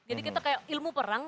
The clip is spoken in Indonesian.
jadi kita kayak ilmu perang